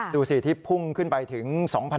ดูสิที่พุ่งขึ้นไปถึง๒๐๐